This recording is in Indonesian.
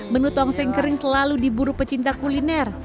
menu tongseng kering selalu diburu pecinta kuliner